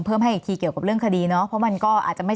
เพิ่มให้อีกทีเกี่ยวกับเรื่องคดีเนาะเพราะมันก็อาจจะไม่